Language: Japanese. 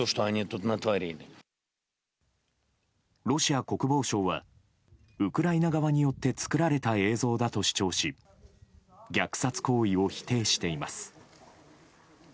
ロシア国防省はウクライナ側によって作られた映像だと主張し虐殺行為を否定しています。